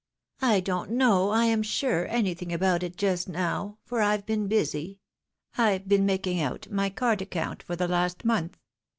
" I don't know, I am sure, anything about it just now, for I've been busy — ^I've been making out my card account for the last month.